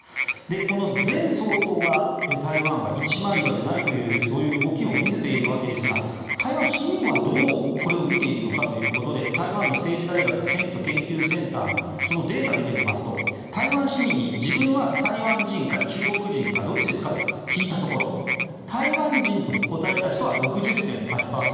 この前総統が台湾は一枚岩ではないというそういう動きを見せているわけですが台湾市民は、これをどう見ているのかということで台湾の政治大学選挙研究センターのデータを見てみると台湾市民に自分は台湾人か中国人かどっちですかと聞いたところ台湾人と答えた人は６０．８％。